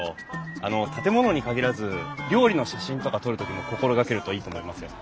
あの建物に限らず料理の写真とか撮る時も心がけるといいと思いますよ。